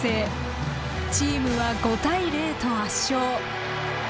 チームは５対０と圧勝。